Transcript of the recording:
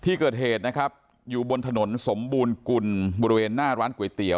ที่เกิดเหตุนะครับอยู่บนถนนสมบูรณ์กุลบริเวณหน้าร้านก๋วยเตี๋ย